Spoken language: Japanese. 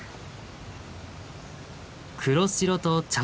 黒白と茶